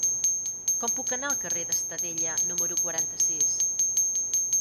Com puc anar al carrer d'Estadella número quaranta-sis?